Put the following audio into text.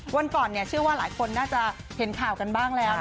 วันก่อนเชื่อว่าหลายคนน่าจะเห็นข่าวกันบ้างแล้ว